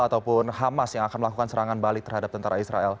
ataupun hamas yang akan melakukan serangan balik terhadap tentara israel